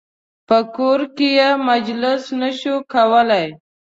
په کور کې مجلس نه شو کولای.